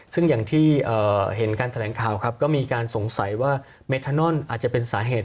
ซึ่งอย่างที่เห็นการแถลงข่าวครับก็มีการสงสัยว่าเมทานอนอาจจะเป็นสาเหตุ